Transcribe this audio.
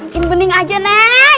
mungkin bening aja nen